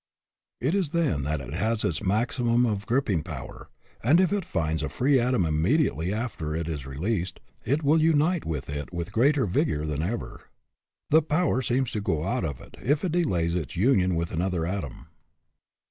It is then that it has its maximum of gripping power ; and if it finds a free atom im mediately after it is released, it will unite with it with greater vigor than ever. The power seems to go out of it, if it delays its union with another atom.